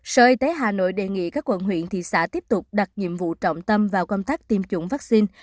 sở y tế hà nội đề nghị các quận huyện thị xã tiếp tục đặt nhiệm vụ trọng tâm vào công tác tiêm chủng vaccine